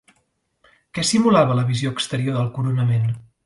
Què simulava la visió exterior del coronament?